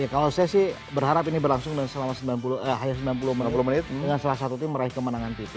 kalau saya sih berharap ini berlangsung dan selama sembilan puluh menit dengan salah satu tim meraih kemenangan pp